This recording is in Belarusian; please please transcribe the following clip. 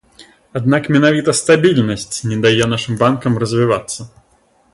Аднак менавіта стабільнасць не дае нашым банкам развівацца.